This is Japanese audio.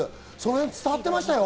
伝わってましたよ。